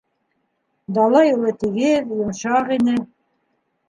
Дала юлы тигеҙ, йомшаҡ ине.